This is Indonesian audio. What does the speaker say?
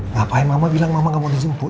ngapain mama bilang mama gak mau dijemput